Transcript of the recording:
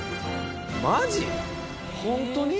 マジ？